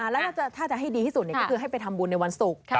แล้วถ้าจะให้ดีที่สุดก็คือให้ไปทำบุญในวันศุกร์